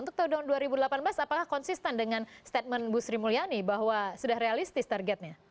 untuk tahun dua ribu delapan belas apakah konsisten dengan statement bu sri mulyani bahwa sudah realistis targetnya